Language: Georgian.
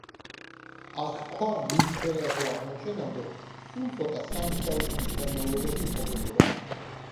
აქ ქვა მის ხელახლა აღმოჩენამდე, სულ ცოტა სამი საუკუნის განმავლობაში იმყოფებოდა.